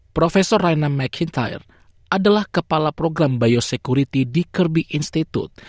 prof raina mcintyre adalah kepala program biosekurity di kirby institute